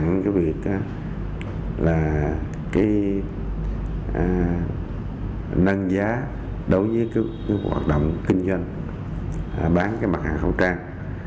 nên cái việc là cái nâng giá đối với cái hoạt động kinh doanh bán cái mặt hàng khẩu trang